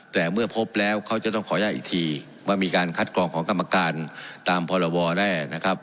แต่เมื่อพบแล้วเขาจะต้องขออนุญาตอีกทีว่ามีการคัดกรองของกรรมการตามพรวแร่นะครับ